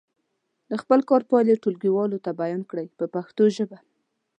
د خپل کار پایلې ټولګیوالو ته بیان کړئ په پښتو ژبه.